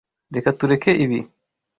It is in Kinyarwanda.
Reka tureke ibi.